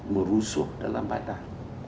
merusuh dalam bandar